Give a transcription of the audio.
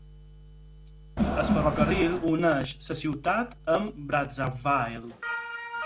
El ferrocarril uneix la ciutat amb Brazzaville.